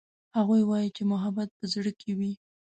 هغوی وایي چې محبت په زړه کې وي